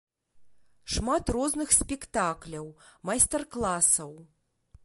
Шмат розных спектакляў, майстар-класаў!